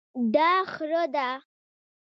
دا خره ده